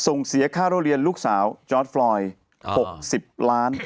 ส่งเสียค่ารโรเลียนลูกสาวจอร์ทฟลอยหกสิบล้าน